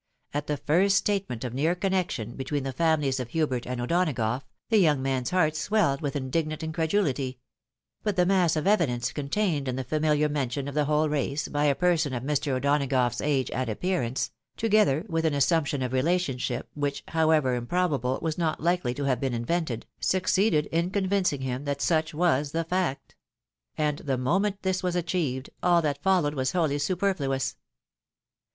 At the first statement of near connection between the families of Hubert and O'Donagough, the young man's heart swelled with indignant incredulity ; but the mass of evidence contained in the famihar mention of the whole race, by a person of Mr. O'Donagough's age and appearance, together with an assumption of relationship, which, however improbable, was not likely to have 'been invented, succeeded in convincing him that such was the fact ; and the moment this was achieved, all that followed was wholly superfluous.